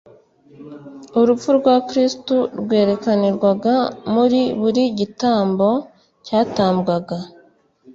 Urupfu rwa Kristo rwerekanirwaga muri buri gitambo cyatambwaga